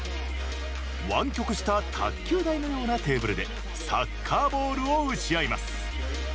湾曲した卓球台のようなテーブルでサッカーボールを打ち合います。